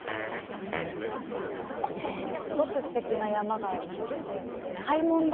すごくすてきな山がありまして開聞岳。